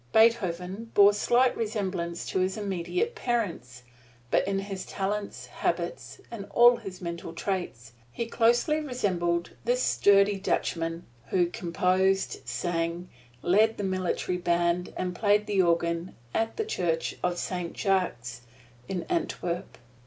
Beethoven bore slight resemblance to his immediate parents, but in his talent, habits and all of his mental traits, he closely resembled this sturdy Dutchman who composed, sang, led the military band, and played the organ at the Church of Saint Jacques in Antwerp.